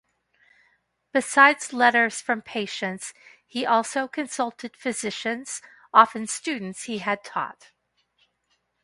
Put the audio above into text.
Besides letters from patients, he also consulted physicians, often students he had taught.